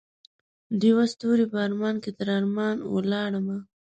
دیوه ستوری په ارمان کې تر ارمان ولاړمه